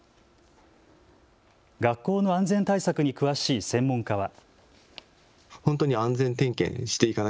学校の安全対策に詳しい専門家は。